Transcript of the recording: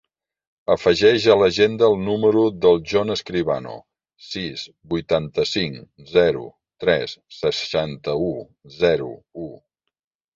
Afegeix a l'agenda el número del Jon Escribano: sis, vuitanta-cinc, zero, tres, seixanta-u, zero, u.